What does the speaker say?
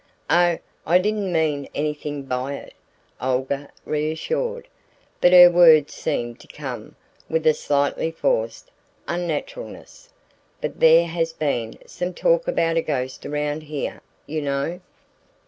"Oh, I didn't mean anything by it," Olga reassured, but her words seemed to come with a slightly forced unnaturalness. "But there has been some talk about a ghost around here, you know."